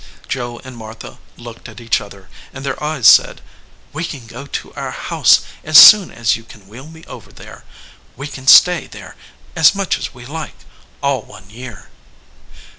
Joe and Martha looked at each other, and their eyes said : "We can go to Our House as soon as you can wheel me over there. We can stay there as much as we like, all one year."